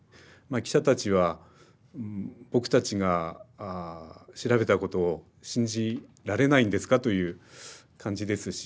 記者たちは「僕たちが調べたことを信じられないんですか？」という感じですし